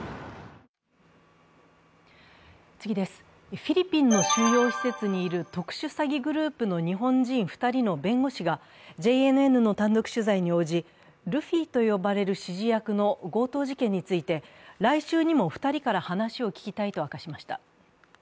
フィリピンの収容施設にいる特殊詐欺グループの日本人２人の弁護士がＪＮＮの単独取材に応じルフィと呼ばれる指示役の強盗事件について、来週にも２人から話を聞きたいと明かしました。